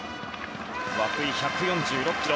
涌井、１４６キロ。